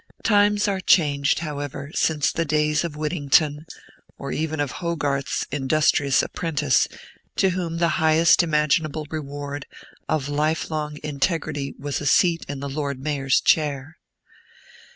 Times are changed, however, since the days of Whittington, or even of Hogarth's Industrious Apprentice, to whom the highest imaginable reward of lifelong integrity was a seat in the Lord Mayor's chair.